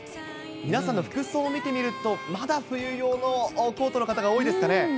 皆さんの服装を見てみると、まだ冬用のコートの方が多いですかね。